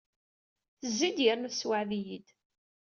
Tezzi-d yernu tessewɛed-iyi-d.